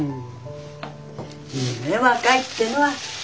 いいねえ若いってのは。